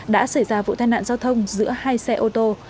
đã xảy ra vụ tai nạn giao thông giữa hai xe ô tô